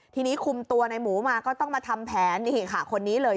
ทีนี้คุมตัวในหมูมาก็ต้องมาทำแผนนี่ค่ะคนนี้เลย